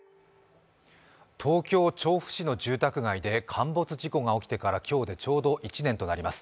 東京・調布市の住宅街で陥没事故が起きてから今日でちょうど１年となります。